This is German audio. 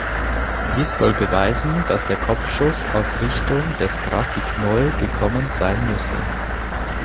Dies soll beweisen, dass der Kopfschuss aus Richtung des Grassy Knoll gekommen sein müsse.